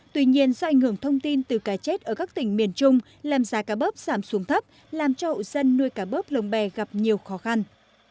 tuy nhiên do ảnh hưởng thông tin từ cá chết ở các tỉnh miền trung làm giá cá bớp giảm xuống thấp làm cho hộ dân nuôi cá bớp lồng bè gặp nhiều khó khăn